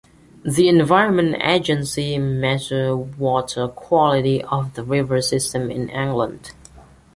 The Environment Agency measure water quality of the river systems in England.